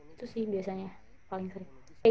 itu sih biasanya paling sering